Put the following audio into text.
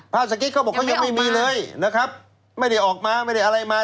สกิตเขาบอกเขายังไม่มีเลยนะครับไม่ได้ออกมาไม่ได้อะไรมา